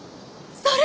それ！